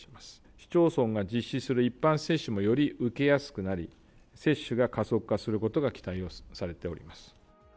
市町村が実施する一般接種もＹＯＲＩ受けやすくなり、接種が加速化することが期待をされております。